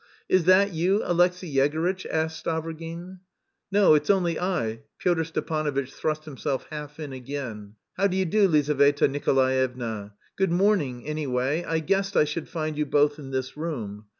"Is that you, Alexey Yegorytch?" asked Stavrogin. "No, it's only I." Pyotr Stepanovitch thrust himself half in again. "How do you do, Lizaveta Nikolaevna? Good morning, anyway. I guessed I should find you both in this room.